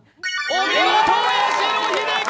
お見事、八代英輝！